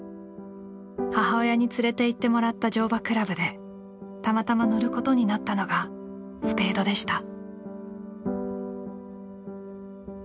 母親に連れていってもらった乗馬倶楽部でたまたま乗ることになったのがスペードでした。